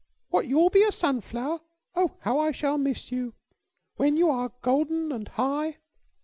What, you'll be a sunflower? Oh, how I shall miss you When you are golden and high!